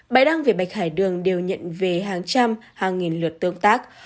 bài đăng về bạch hải đường đều nhận về hàng trăm hàng nghìn lượt tương tác